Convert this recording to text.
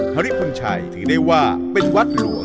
ริพุนชัยถือได้ว่าเป็นวัดหลวง